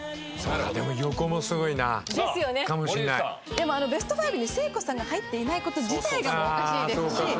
でもベスト５に聖子さんが入っていない事自体がもうおかしいですし。